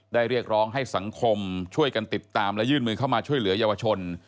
เรียกร้องให้สังคมช่วยกันติดตามและยื่นมือเข้ามาช่วยเหลือเยาวชน